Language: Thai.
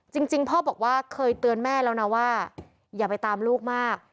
จริงพ่อบอกว่าเคยเตือนแม่แล้วนะว่าอย่าไปตามลูกมาก